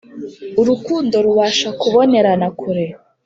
Urukundo rubasha kubonerana kure